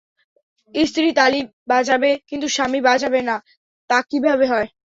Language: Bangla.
স্ত্রী তালি বাজাবে কিন্তু স্বামী বাজাবে না তা কীভাবে হয়?